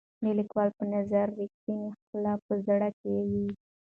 د لیکوال په نظر رښتیانۍ ښکلا په زړه کې وي.